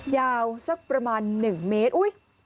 ยาวสักประมาณ๑เมตรอุ๊ย